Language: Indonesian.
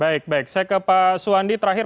baik baik saya ke pak suwandi terakhir